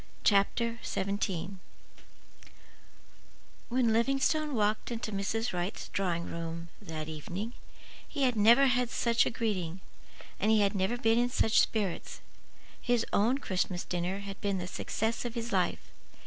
CHAPTER XVII When Livingstone walked into Mrs. Wright's drawing room that evening he had never had such a greeting, and he had never been in such spirits. His own Christmas dinner had been the success of his life.